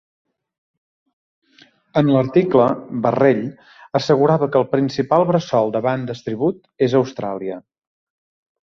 En l'article, Barrell assegurava que el principal bressol de bandes tribut és Austràlia.